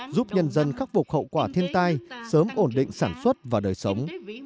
giúp nhân dân khắc phục hậu quả thiên tai sớm ổn định sản xuất và đời sống